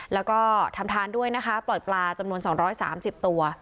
แล้วก็ทำทานด้วยนะคะปล่อยปลาจำนวน๒๓๐ตัว